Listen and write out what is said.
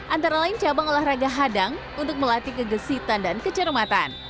antara lain cabang olahraga hadang untuk melatih kegesitan dan kecermatan